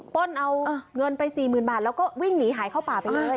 ้นเอาเงินไป๔๐๐๐บาทแล้วก็วิ่งหนีหายเข้าป่าไปเลย